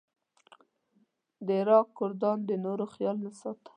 د عراق کردانو د نورو خیال نه ساته.